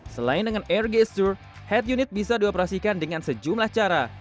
selain dengan air gesture head unit bisa dioperasikan dengan sejumlah cara